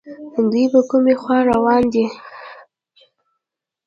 دوی په کومې خوا روان دي